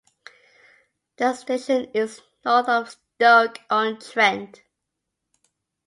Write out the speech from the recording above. The station is north of Stoke-on-Trent.